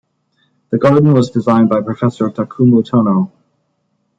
The garden was designed by Professor Takuma Tono.